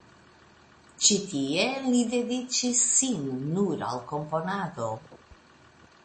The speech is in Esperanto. Ĉi tie li dediĉis sin nur al komponado.